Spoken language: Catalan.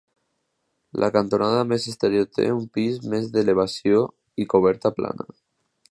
La cantonada més exterior té un pis més d'elevació i coberta plana.